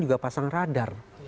juga pasang radar